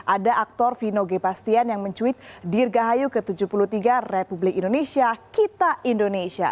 ada aktor vino g pastian yang mencuit dirgahayu ke tujuh puluh tiga republik indonesia kita indonesia